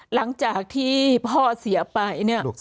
หลังจากที่พ่อเสียไป